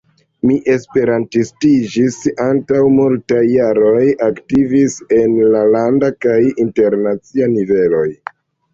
Mi esperantistiĝis antaŭ multaj jaroj, aktivis en la landa kaj internacia niveloj.